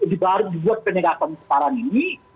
dibuat penyegapan sekarang ini